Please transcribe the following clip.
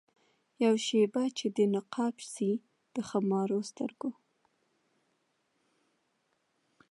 یوه شېبه چي دي نقاب سي د خمارو سترګو